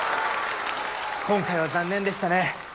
今回は残念でしたね。